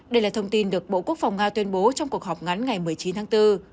đây là thông tin được bộ quốc phòng nga tuyên bố trong cuộc họp ngắn ngày một mươi chín tháng bốn